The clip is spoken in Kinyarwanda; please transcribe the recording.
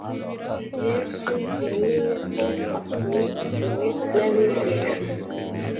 Yesu yamenye ko akurikiwe n'abigishwa.